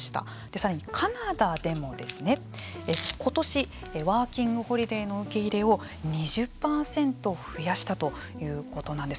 さらにカナダでも今年、ワーキングホリデーの受け入れを２０％増やしたということなんです。